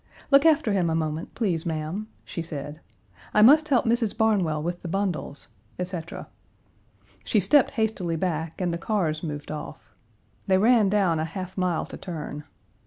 "Look after him a moment, please, ma'am," she said. "I must help Mrs. Barnwell with the bundles," etc. She stepped hastily back and the cars moved off. They ran down a half mile to turn.